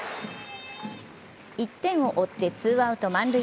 １点を追ってツーアウト満塁。